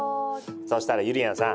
そしたらゆりやんさん